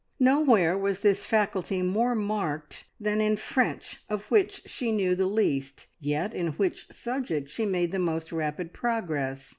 Nowhere was this faculty more marked than in French, of which she knew least, yet in which subject she made the most rapid progress.